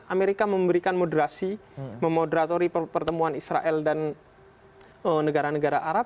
seribu sembilan ratus delapan puluh lima amerika memberikan moderasi memoderatori pertemuan israel dan negara negara arab